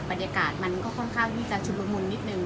บรรยากาศมันก็ค่อนข้างที่จะชุดละมุนนิดนึง